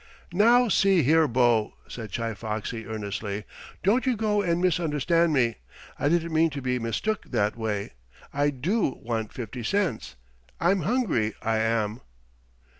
"Now, see here, bo!" said Chi Foxy earnestly. "Don't you go and misunderstand me. I didn't mean to be mistook that way. I do want fifty cents. I'm hungry, I am."